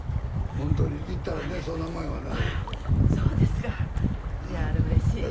ほんとに行ったらねそんなもんやわな。